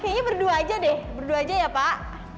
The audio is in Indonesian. kayaknya berdua aja deh berdua aja ya pak